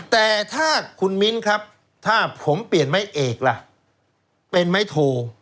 แต่ถ้าคุณมิ้นครับถ้าผมเปลี่ยนไม้เอกล่ะเป็นไม้โท